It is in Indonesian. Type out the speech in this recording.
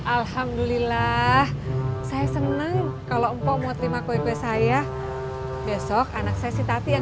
alhamdulillah saya senang kalau mpok mau terima kue kue saya besok anak saya sitati yang